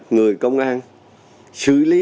người công an xử lý